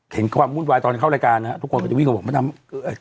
เห็นความวุ่นวายตอนเข้ารายการนะฮะทุกคนก็จะวิ่งมาบอกมะดำ